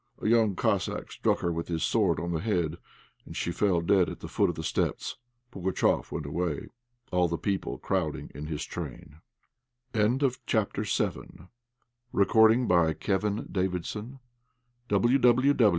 A young Cossack struck her with his sword on the head, and she fell dead at the foot of the steps. Pugatchéf went away, all the people crowding in his train. CHAPTER VIII. THE UNEXPECTED VISIT.